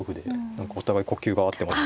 何かお互い呼吸が合ってます。